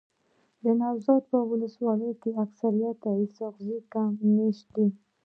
دنوزاد په ولسوالۍ کي اکثريت اسحق زی قوم میشت دی.